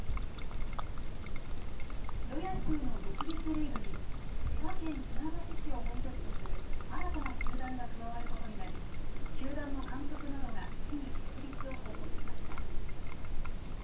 プロ野球の独立リーグに千葉県船橋市を本拠地とする新たな球団が加わることになり球団の監督などが市に設立を報告しました。